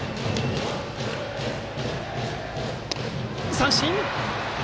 三振！